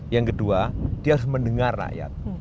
yang kedua dia harus mendengar rakyat